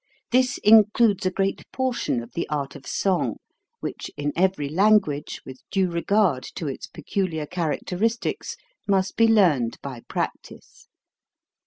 This includes a great portion of the art of song, which in every language, with due regard to its peculiar characteristics, must be learned by practice.